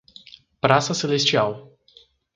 Praça celestial